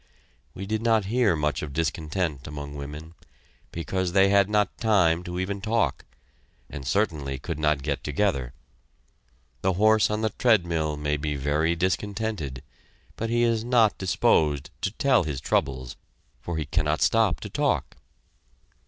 we did not hear much of discontent among women, because they had not time to even talk, and certainly could not get together. The horse on the treadmill may be very discontented, but he is not disposed to tell his troubles, for he cannot stop to talk.